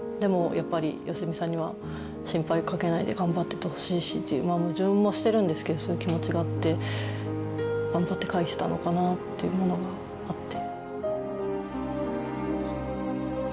やっぱり良純さんには心配かけないで頑張っててほしいしっていうまあ矛盾もしてるんですけどそういう気持ちがあって頑張って書いてたのかなっていうものがあって。